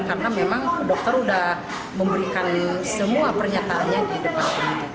karena memang dokter sudah memberikan semua pernyataannya di depan